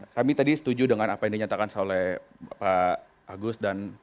kami tadi setuju dengan apa yang dinyatakan oleh pak agus dan